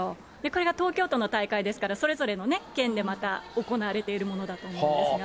これが東京都の大会ですから、それぞれのね、県でまた、行われているものだと思うんですが。